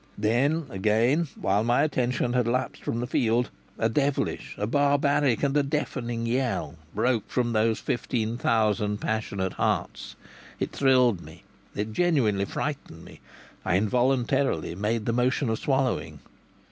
Then, again, while my attention had lapsed from the field, a devilish, a barbaric, and a deafening yell broke from those fifteen thousand passionate hearts. It thrilled me; it genuinely frightened me. I involuntarily made the motion of swallowing.